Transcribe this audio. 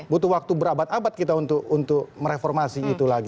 butuh waktu berabad abad kita untuk mereformasi itu lagi